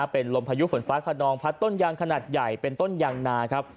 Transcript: เป็นลมพายุฝนฟ้าขนองพัดต้นยางขนาดใหญ่เป็นต้นยางนาครับ